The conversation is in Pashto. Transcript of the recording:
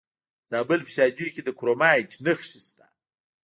د زابل په شاجوی کې د کرومایټ نښې شته.